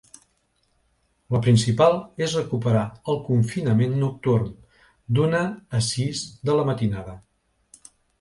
La principal és recuperar el confinament nocturn, d’una a sis de la matinada.